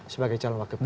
sebagai calon wakil